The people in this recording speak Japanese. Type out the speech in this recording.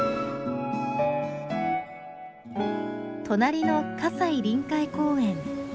隣の西臨海公園。